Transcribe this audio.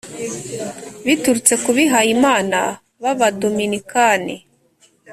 biturutse ku bihayimana b’abodominikani